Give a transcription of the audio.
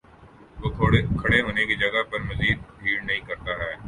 وہ کھڑے ہونے کی جگہ پر مزید بھیڑ نہیں کرتا ہے